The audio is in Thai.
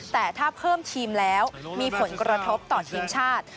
แต่ถ้าเพิ่มทีมแล้วมีผลกระทบต่อทีมชาติ